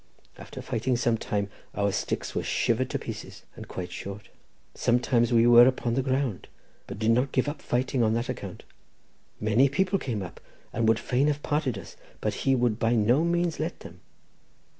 After fighting for some time, our sticks were shivered to pieces and quite short; sometimes we were upon the ground, but did not give up fighting on that account. Many people came up and would fain have parted us, but we would by no means let them.